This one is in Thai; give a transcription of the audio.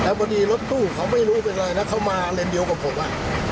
พอดีรถตู้เขาไม่รู้เป็นอะไรนะเขามาเลนเดียวกับผม